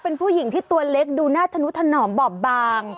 เป็นผู้หญิงที่ตัวเล็กดูหน้าธนุถนอมบอบบาง